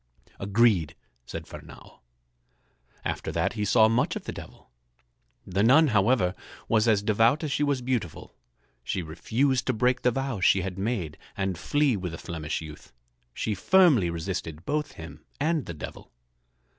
"Agreed," said Fernâo. After that he saw much of the Devil. The nun, however, was as devout as she was beautiful. She refused to break the vows she had made and flee with the Flemish youth. She firmly resisted both him and the Devil.